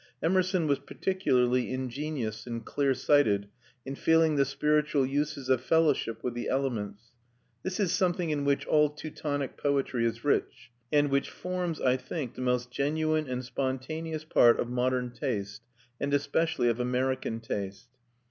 Emerson was particularly ingenious and clear sighted in feeling the spiritual uses of fellowship with the elements. This is something in which all Teutonic poetry is rich and which forms, I think, the most genuine and spontaneous part of modern taste, and especially of American taste.